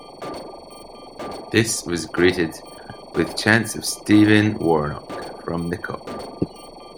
This was greeted with chants of 'Stephen Warnock' from the Kop.